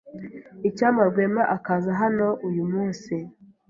Icyampa Rwema akaza hano uyu munsi.